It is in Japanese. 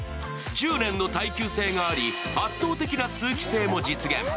１０年の耐久性があり、圧倒的な通気性も実現。